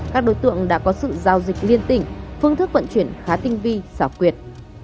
các đối tượng đã có sự giao dịch liên tỉnh phương thức vận chuyển khá tinh vi xảo quyệt